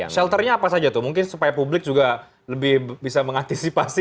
shelternya apa saja tuh mungkin supaya publik juga lebih bisa mengantisipasi